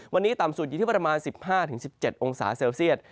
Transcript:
วันนี้ต่ำสุดอยู่ที่ประมาณ๑๕๑๗องศาเซลเซียต